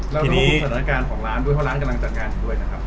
แล้วเราก็คุณสำนักการณ์ของร้านด้วยเพราะร้านกำลังจัดงานด้วยนะครับ